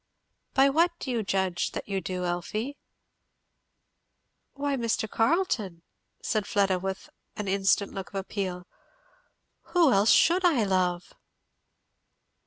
"By what do you judge that you do, Elfie?" "Why, Mr. Carleton," said Fleda, with an instant look of appeal, "who else should I love?"